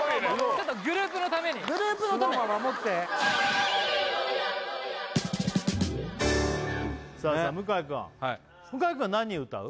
ちょっとグループのためにグループのためさあさあ向井くん向井くんは何歌う？